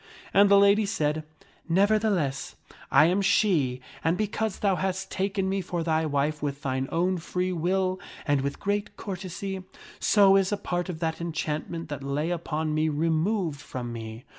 And the lady said, " Nevertheless, I am she and because thou hast taken me for thy wife with thine own free will and with great courtesy, so is a part of that enchantment that lay upon me removed from me.